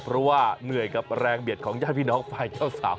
เพราะว่าเหนื่อยกับแรงเบียดของญาติพี่น้องฝ่ายเจ้าสาว